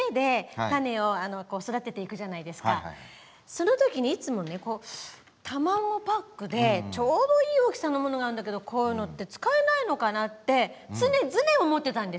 その時にいつもね卵パックでちょうどいい大きさのものがあるんだけどこういうのって使えないのかなって常々思ってたんですよ。